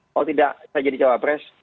kalau tidak saya jadi cawapres